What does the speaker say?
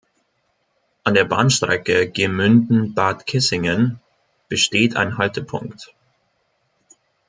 An der Bahnstrecke Gemünden–Bad Kissingen besteht ein Haltepunkt.